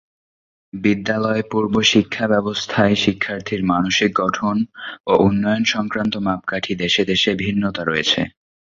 বিদ্যালয়-পূর্ব শিক্ষা ব্যবস্থায় শিক্ষার্থীর মানসিক গঠন ও উন্নয়ন সংক্রান্ত মাপকাঠি দেশে-দেশে ভিন্নতা রয়েছে।